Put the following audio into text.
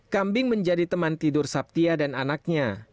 kambing menjadi teman tidur sabtia dan anaknya